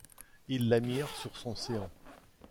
Ils la mirent sur son séant.